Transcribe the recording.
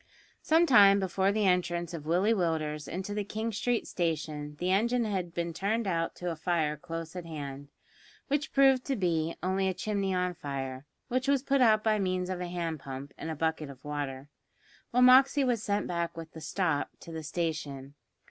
Some time before the entrance of Willie Willders into the King Street station the engine had been turned out to a fire close at hand, which proved to be only a chimney on fire, and which was put out by means of a hand pump and a bucket of water, while Moxey was sent back with the "stop" to the station.